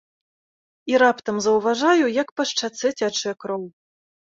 І раптам заўважаю, як па шчацэ цячэ кроў.